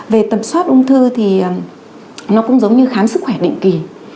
về tầm soát ung thư thì nó cũng giống như khám sức khỏe định kỳ